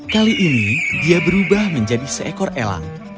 kali ini dia berubah menjadi seekor elang